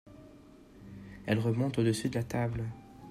Elle remonte au-dessus de la table.